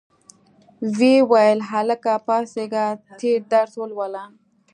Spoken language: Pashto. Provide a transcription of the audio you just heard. ویې ویل هلکه پاڅیږه تېر درس ولوله.